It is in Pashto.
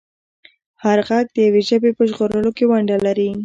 هر غږ د یوې ژبې په ژغورلو کې ونډه لري.